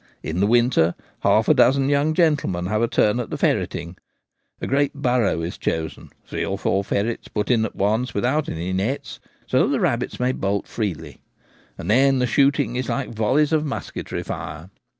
In the winter half a dozen young gentlemen have a turn at the ferreting ; a great burrow is chosen, three or four ferrets put in at once without any nets, so that the rabbits may bolt freely, and then the shooting is like volleys of musketry fire.